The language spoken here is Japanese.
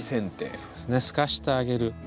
そうですねすかしてあげる。